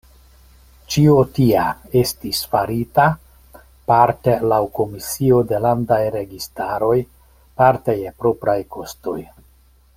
Ĉio tia estis farita parte laŭ komisio de landaj registaroj parte je propraj kostoj.